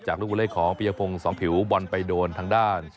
ลูกเลขของปียพงศ์สองผิวบอลไปโดนทางด้าน